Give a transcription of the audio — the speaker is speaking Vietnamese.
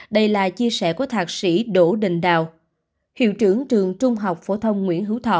đây là chia sẻ của thạc sĩ đỗ đình đào hiệu trưởng trường trung học phổ thông nguyễn hữu thọ